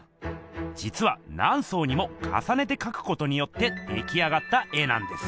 じつは何層にもかさねて描くことによって出来上がった絵なんです。